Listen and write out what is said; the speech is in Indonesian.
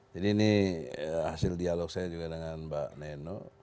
jadi ini hasil dialog saya juga dengan mbak neno